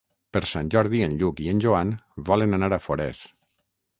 Per Sant Jordi en Lluc i en Joan volen anar a Forès.